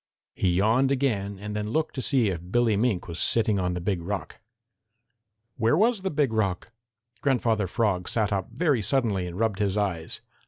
He yawned again and then looked to see if Billy Mink was sitting on the Big Rock. Where was the Big Rock? Grandfather Frog sat up very suddenly and rubbed his eyes.